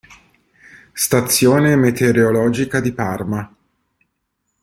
Stazione meteorologica di Parma